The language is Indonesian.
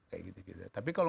tapi kalau mau daftar